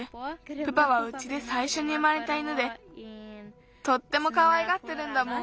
プパはうちでさいしょに生まれた犬でとってもかわいがってるんだもん。